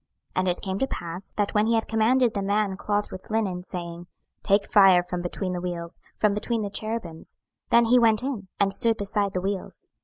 26:010:006 And it came to pass, that when he had commanded the man clothed with linen, saying, Take fire from between the wheels, from between the cherubims; then he went in, and stood beside the wheels.